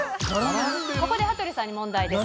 ここで羽鳥さんに問題です。